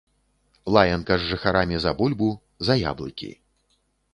Лаянка з жыхарамі за бульбу, за яблыкі.